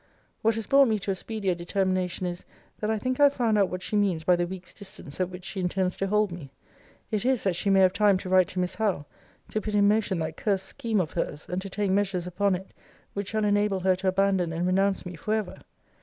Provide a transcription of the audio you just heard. What has brought me to a speedier determination is, that I think I have found out what she means by the week's distance at which she intends to hold me. It is, that she may have time to write to Miss Howe, to put in motion that cursed scheme of her's, and to take measures upon it which shall enable her to abandon and renounce me for ever.